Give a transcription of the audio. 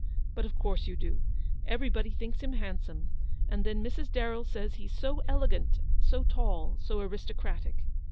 " But of course you do ; everybody thinks him handsome; and then Mrs. Darrell says he's so elegant, so tall, so aristocratic.